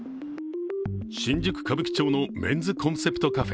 新宿・歌舞伎町のメンズコンセプト